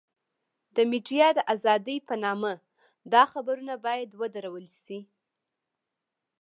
د ميډيا د ازادۍ په نامه دا خبرونه بايد ودرول شي.